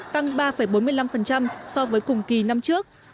tăng ba bốn mươi năm so với cùng kỳ năm trước